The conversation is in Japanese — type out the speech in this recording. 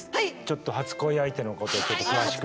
ちょっと初恋相手のことをちょっと詳しく。